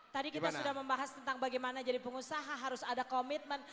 tadi kita sudah membahas tentang bagaimana jadi pengusaha harus ada komitmen